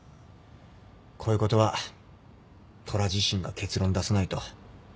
こういうことは虎自身が結論出さないと。